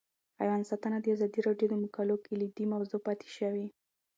حیوان ساتنه د ازادي راډیو د مقالو کلیدي موضوع پاتې شوی.